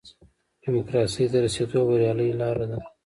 ډیموکراسۍ ته د رسېدو بریالۍ لاره ده.